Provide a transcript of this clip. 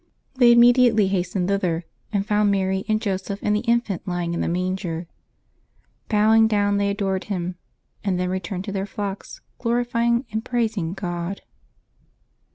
'* They immediately hastened thither, and found Mary and Joseph, and the Infant lying in the manger. Bowing down, they adored Him, and then returned to their flocks, glori fjdng and praising God.